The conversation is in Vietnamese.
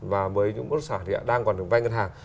với những bất động sản đang còn được vai ngân hàng